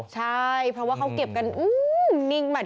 ใช่เพราะว่าเขาเก็บกันนิ่งมัน